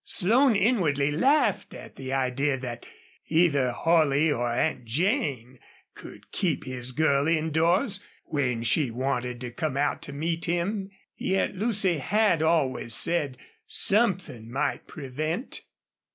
Slone inwardly laughed at the idea that either Holley or Aunt Jane could keep his girl indoors when she wanted to come out to meet him. Yet Lucy had always said something might prevent.